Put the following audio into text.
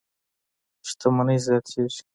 شتمنۍ زیاتېږي.